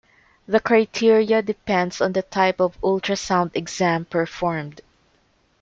The criteria depends on the type of ultrasound exam performed.